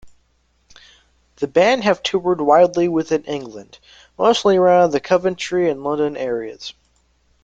The band have toured widely within England, mostly around the Coventry and London areas.